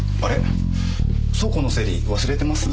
倉庫の整理忘れてます？